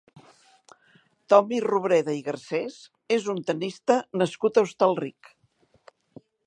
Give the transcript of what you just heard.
Tommy Robreda i Garcés és un tennista nascut a Hostalric.